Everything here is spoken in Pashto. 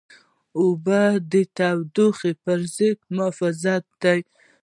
اوبه د تودوخې پر ضد محافظ دي.